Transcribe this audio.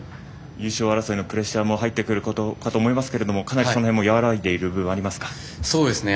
優勝争いのプレッシャーも入ってくるかと思いますがその辺が和らいでいる部分もありますか？